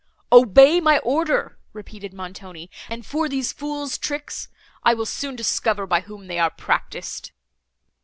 "Obey my order," repeated Montoni. "And for these fool's tricks—I will soon discover by whom they are practised."